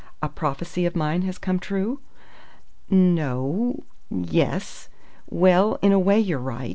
A prophecy of mine has come true?" "No o yes. Well, in a way you're right.